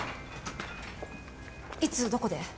いつどこで？